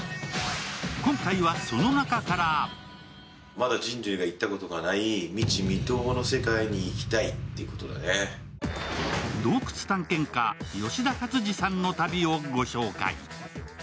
今回は、その中から洞窟探検家・吉田勝次さんの旅をご紹介。